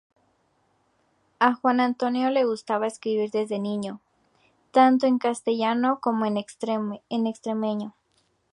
A Juan Antonio le gustaba escribir desde niño, tanto en castellano como en extremeño.